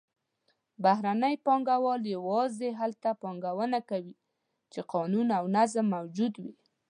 بهرني پانګهوال یوازې هلته پانګونه کوي چې قانون او نظم موجود وي.